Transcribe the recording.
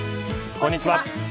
こんにちは。